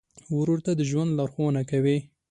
ورور ته د ژوند لارښوونه کوې.